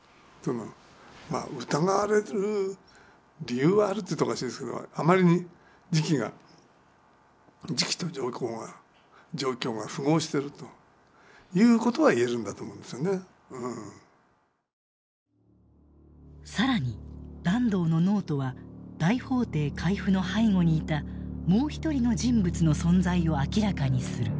疑われる理由はあるというとおかしいですけど更に團藤のノートは大法廷回付の背後にいたもう一人の人物の存在を明らかにする。